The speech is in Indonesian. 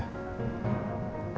terima kasih buat informasi